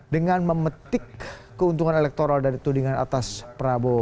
dengan memetik keuntungan elektoral dari tudingan atas prabowo